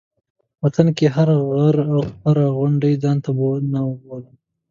وطن کې هر غر او هره غونډۍ ځان ته نوم لري.